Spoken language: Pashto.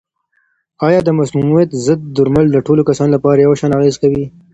آیا د مسمومیت ضد درمل د ټولو کسانو لپاره یو شان اغېزه کوي؟